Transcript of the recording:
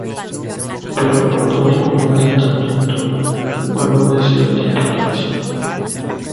Pero, ¿cuándo hubo un asentamiento humano de cierta importancia?